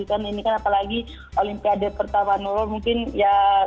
kan ini kan apalagi olimpiade pertama dulu mungkin ya